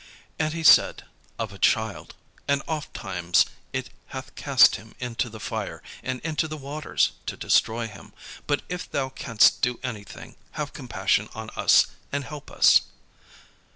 And he said, "Of a child. And ofttimes it hath cast him into the fire, and into the waters, to destroy him: but if thou canst do any thing, have compassion on us, and help us."